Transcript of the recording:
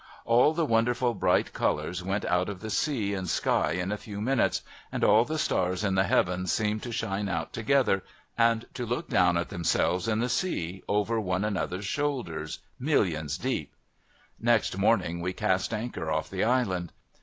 All tiie wonderful bright colours went out of the sea and sky in a few minutes, and all the stars in the Heavens seemed to shine out together, and to look down at themselves in the sea, over one another's shoulders, millions deep. Next morning, we cast anchor off the Island.